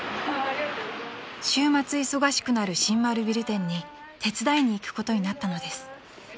［週末忙しくなる新丸ビル店に手伝いに行くことになったのです］